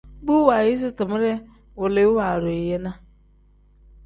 Bu waayisi timere wilidu waadu yi ne.